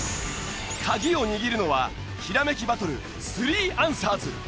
鍵を握るのはひらめきバトル３アンサーズ。